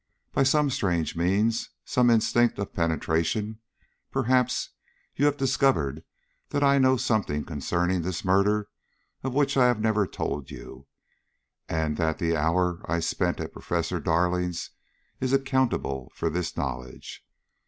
By some strange means, some instinct of penetration, perhaps, you have discovered that I know something concerning this murder of which I have never told you, and that the hour I spent at Professor Darling's is accountable for this knowledge.